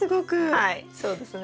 はいそうですね。